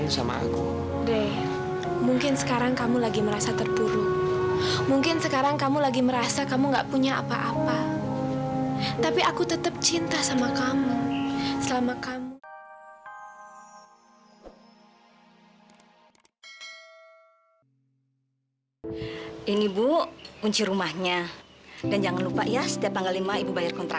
selamat pagi bu